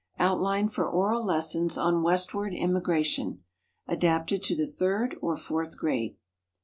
Outline for Oral Lessons on Westward Immigration. (Adapted to the Third or Fourth Grade.)